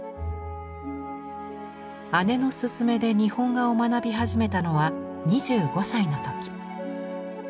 姉の勧めで日本画を学び始めたのは２５歳の時。